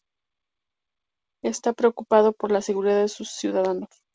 Él está preocupado por la seguridad de sus ciudadanos.